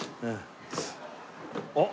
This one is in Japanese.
あっ！